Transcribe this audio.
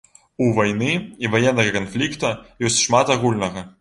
У вайны і ваеннага канфлікта ёсць шмат агульнага.